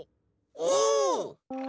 お！